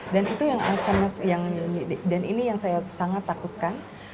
dan itu yang saya sangat takutkan